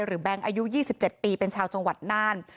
แบงค์อายุ๒๗ปีเป็นชาวจังหวัดน่าน